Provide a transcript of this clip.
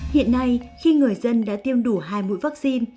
hiện nay khi người dân đã tiêm đủ hai mũi vaccine